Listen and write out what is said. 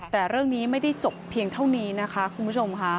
แต่เรื่องนี้ไม่ได้จบเพียงเท่านี้นะคะคุณผู้ชมค่ะ